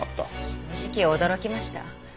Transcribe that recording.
正直驚きました。